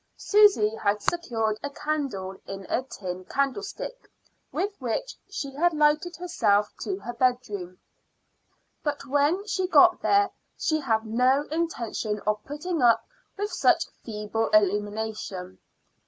Susy had secured a candle in a tin candlestick, with which she had lighted herself to her bedroom, but when she got there she had no intention of putting up with such feeble illumination.